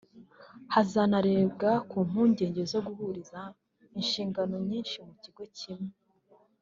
hazanarebwa ku mpungenge zo guhuriza inshingano nyinshi mu kigo kimwe